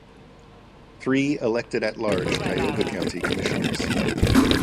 Three, elected at large, Tioga County Commissioners.